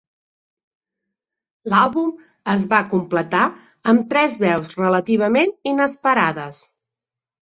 L'àlbum es va completar amb tres veus relativament inesperades.